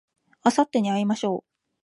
あさってに会いましょう